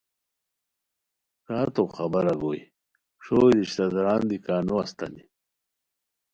کا تو خبارا گوئے ݰوئےرشتہ دران دی کا نو استانی